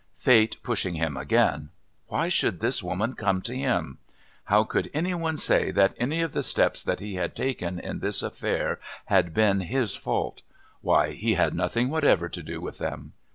Fate pushing him again. Why should this woman come to him? How could any one say that any of the steps that he had taken in this affair had been his fault? Why, he had had nothing whatever to do with them!